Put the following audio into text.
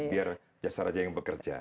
biar jasa raja yang bekerja